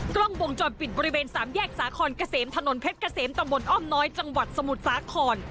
กล้องวงจรปิดบริเวณสามแยกสาคอนเกษมถนนเพชรเกษมตำบลอ้อมน้อยจังหวัดสมุทรสาคร